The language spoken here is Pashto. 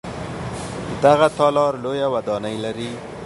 دغه تالار لویه ودانۍ لري.